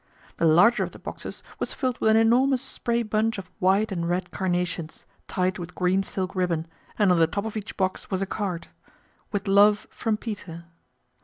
The larger of the boxes was filled with an enormous spray bunch of white and red carna tions, tied with green silk ribbon, and on the top of each box was a card, " With love from Peter."